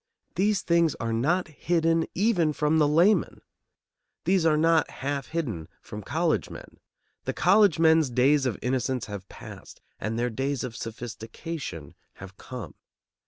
These things are not hidden even from the layman. These are not half hidden from college men. The college men's days of innocence have passed, and their days of sophistication have come.